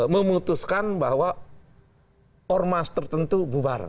memutuskan bahwa ormas tertentu bubar